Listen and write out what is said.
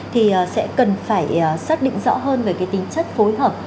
thì sẽ cần phải xác định rõ hơn về cái tính chất phối hợp